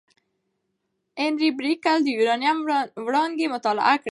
انري بکرېل د یورانیم وړانګې مطالعه کړې.